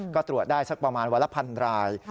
ก็ตรวจได้สักประมาณวันละพันราย